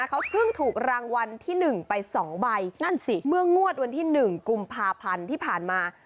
เขาเพิ่งถูกรางวัลที่๑ไป๒ใบนั่นสิเมื่องวดวันที่๑กุมภาพันธ์ที่ผ่านมา